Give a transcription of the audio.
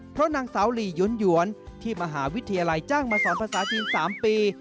เพราะนางสาวหลียวนที่มหาวิทยาลัยจ้างมาสอนภาษาจีน๓ปี